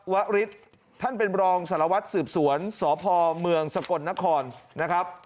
วริสท่านเป็นรองสารวัตรสืบสวนสพเมืองสกลนครนะครับ